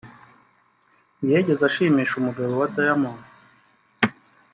ntiyigeze ashimisha umugabo we Diamond